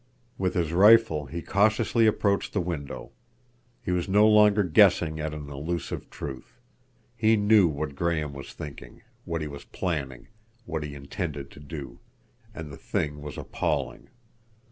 With his rifle he cautiously approached the window. He was no longer guessing at an elusive truth. He knew what Graham was thinking, what he was planning, what he intended to do, and the thing was appalling.